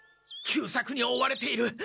久作に追われている。